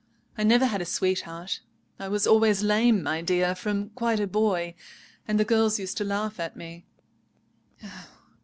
I never had a sweetheart. I was always lame, my dear, from quite a boy; and the girls used to laugh at me."